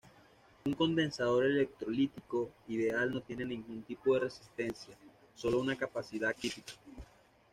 Un condensador electrolítico "ideal" no tiene ningún tipo de resistencia, sólo una capacidad típica.